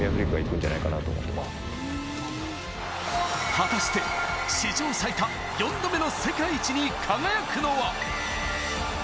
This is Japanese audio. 果たして史上最多４度目の世界一に輝くのは？